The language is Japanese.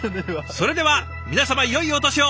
それでは皆様よいお年を！